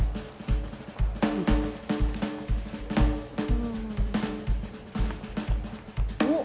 うん。おっ。